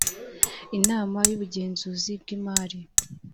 inama y ubugenzuzi bw imari